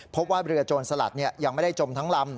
เพราะว่าเรือโจรสลัดเนี่ยยังไม่ได้จมทั้งลำ